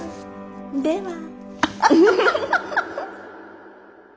では。